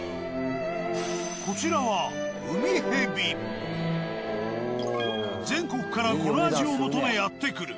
こちらは全国からこの味を求めやって来る